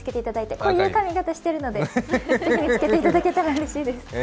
こういう髪形をしているので、ぜひ見つけていただけたらうれしいです。